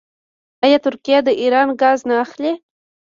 آیا ترکیه د ایران ګاز نه اخلي؟